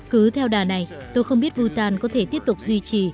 cứ theo đà này tôi không biết bhutan có thể tiếp tục duy trì